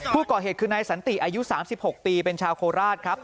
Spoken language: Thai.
ผู้ก่อเหตุคือนายสันติอายุ๓๖ปีเป็นชาวโคราชครับ